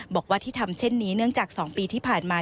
บอกว่าที่ทำเช่นนี้เนื่องจาก๒ปีที่ผ่านมา